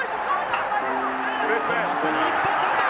日本取った。